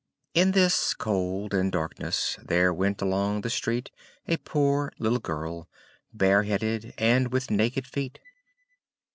In this cold and darkness there went along the street a poor little girl, bareheaded, and with naked feet.